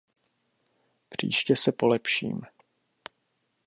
Příště se polepším.